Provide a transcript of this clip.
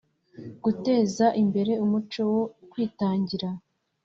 iii Guteza imbere umuco wo kwitangira